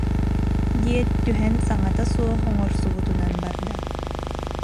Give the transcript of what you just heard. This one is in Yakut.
диэт, түһэн саҥата суох оҥорсубутунан барда